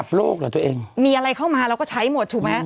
เพราะว่ามีอะไรเข้ามาเราก็ใช้หมดถูกไหม